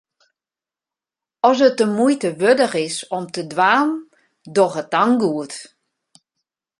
As it de muoite wurdich is om te dwaan, doch it dan goed.